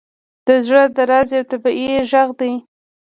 • د زړه درزا یو طبیعي ږغ دی.